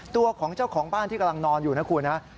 ตัวของเจ้าของบ้านที่กำลังนอนอยู่นะคุณฮะ